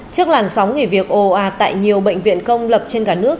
trước làn sóng nghỉ việc o a tại nhiều bệnh viện công lập trên cả nước